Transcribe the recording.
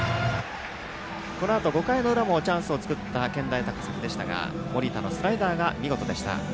このあと５回の裏もチャンスを作った健大高崎でしたが盛田のスライダーが見事でした。